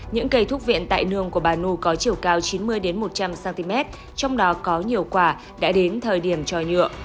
những cây thuốc viện tại nương của bà nu có chiều cao chín mươi một trăm linh cm trong đó có nhiều quả đã đến thời điểm trò nhựa